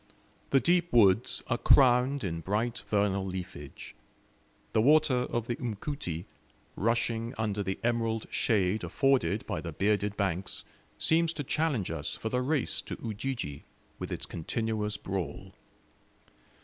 The deep woods are crowned in bright vernal leafage; the water of the Mkuti, rushing under the emerald shade afforded by the bearded banks, seems to challenge us for the race to Ujiji, with its continuous brawl.